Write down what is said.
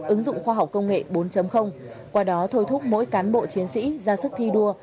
ứng dụng khoa học công nghệ bốn qua đó thôi thúc mỗi cán bộ chiến sĩ ra sức thi đua